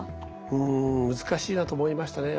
うん難しいなと思いましたね。